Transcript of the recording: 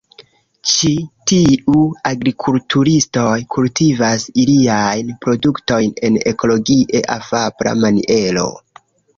Ĉi tiuj agrikulturistoj kultivas iliajn produktojn en ekologie afabla maniero.